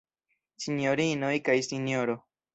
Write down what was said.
Sinjorinoj kaj Sinjoro.